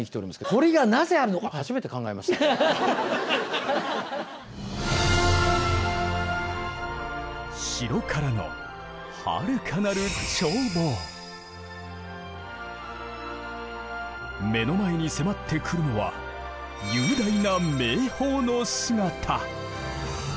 すいません城からの目の前に迫ってくるのは雄大な名峰の姿。